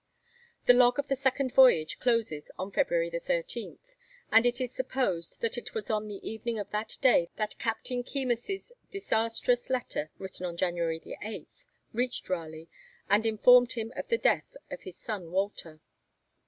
The log of the Second Voyage closes on February 13, and it is supposed that it was on the evening of that day that Captain Keymis' disastrous letter, written on January 8, reached Raleigh and informed him of the death of his son Walter.